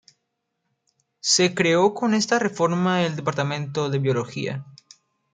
Se creó con esta reforma el Departamento de Biología.